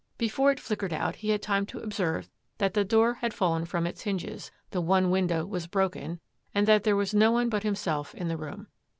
Before it flickered out he had time to observe that the door had fallen from its hinges, the one window was broken, and that there was no one but himself in the room.